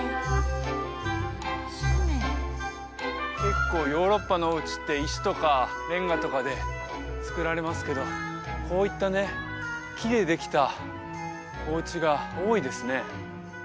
結構ヨーロッパのお家って石とかレンガとかで造られますけどこういったね木でできたお家が多いですね